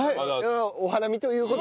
お花見という事で。